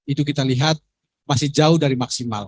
itu kita lihat masih jauh dari maksimal